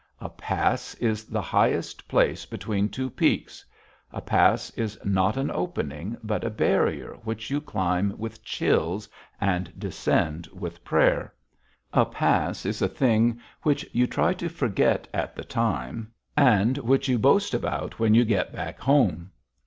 A pass is the highest place between two peaks. A pass is not an opening, but a barrier which you climb with chills and descend with prayer. A pass is a thing which you try to forget at the time, and which you boast about when you get back home.